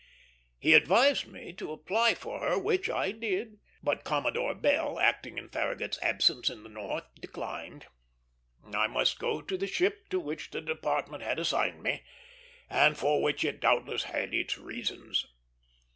He advised me to apply for her, which I did; but Commodore Bell, acting in Farragut's absence in the North, declined. I must go to the ship to which the Department had assigned me, and for which it doubtless had its reasons.